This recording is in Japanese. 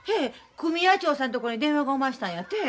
組合長さんところに電話がおましたんやて。